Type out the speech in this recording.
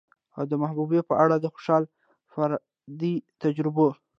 او د محبوبې په اړه د خوشال فردي تجربو